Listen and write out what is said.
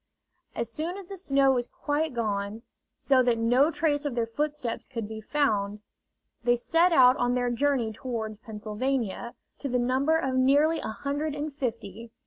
As soon as the snow was quite gone, so that no trace of their footsteps could be found, they set out on their journey toward Pennsylvania, to the number of nearly a hundred and fifty.